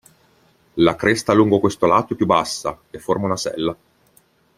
La cresta lungo questo lato è più bassa, e forma una sella.